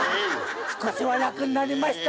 少しは楽になりました